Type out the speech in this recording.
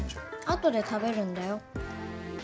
あとで食べるんだよ。